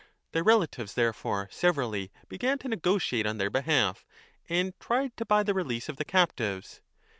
Their relatives therefore severally began to negotiate on their behalf and tried to buy the release of the captives.